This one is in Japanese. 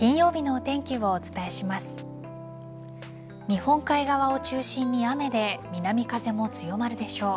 日本海側を中心に雨で南風も強まるでしょう。